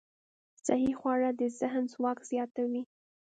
صحي خواړه د ذهن ځواک زیاتوي.